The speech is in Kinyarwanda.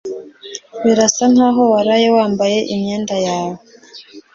Birasa nkaho waraye wambaye imyenda yawe.